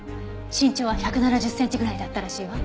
身長は１７０センチぐらいだったらしいわ。